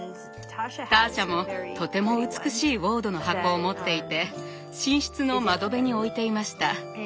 ターシャもとても美しいウォードの箱を持っていて寝室の窓辺に置いていました。